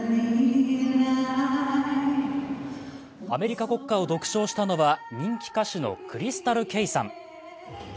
アメリカか国家を独唱したのは人気歌手のクリスタル・ケイさん。